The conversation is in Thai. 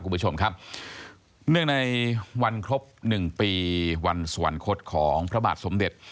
คุณผู้ชมครับเนื่องในวันครบหนึ่งปีวันสวรรคตของพระบาทสมเด็จ